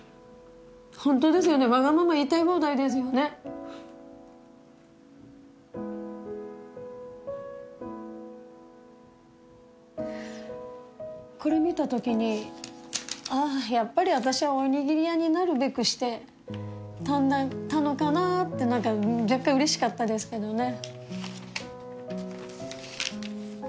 ホントですよねわがまま言いたい放題ですよねこれ見た時に「あぁやっぱり私はおにぎり屋になるべくしてなったのかな」って何か若干うれしかったですけどね